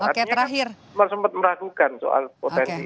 artinya sempat meragukan soal potensi itu